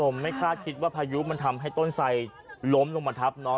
ไม่คาดคิดว่าพายุมันทำให้ต้นไสล้มลงมาทับน้อง